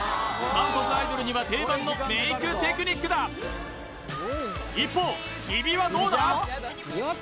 韓国アイドルには定番のメイクテクニックだ一方日比はどうだ？